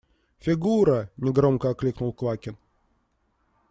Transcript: – Фигура! – негромко окликнул Квакин.